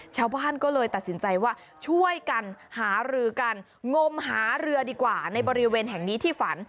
ชาวบ้านก็เลยตัดสินใจว่าช่วยกันหารือกันงมหาเรือดีกว่าในบริเวณแห่งนี้ที่ฝัน